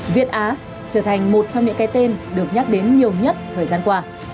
việt á trở thành một trong những cái tên được nhắc đến nhiều nhất thời gian qua